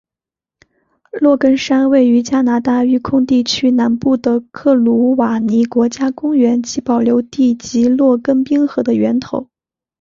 洛根山位于加拿大育空地区南部的克鲁瓦尼国家公园及保留地及洛根冰河的源头。